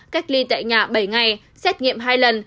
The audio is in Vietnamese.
cách ly tại nhà bảy ngày xét nghiệm hai lần